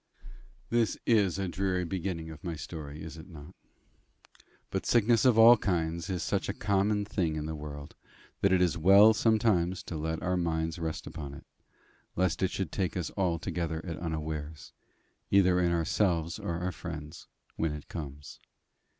This is a dreary beginning of my story, is it not? But sickness of all kinds is such a common thing in the world, that it is well sometimes to let our minds rest upon it, lest it should take us altogether at unawares, either in ourselves or our friends, when it comes.